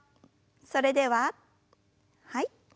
それでははい。